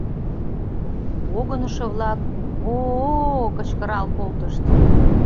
Погынышо-влак о-о-о кычкырал колтышт.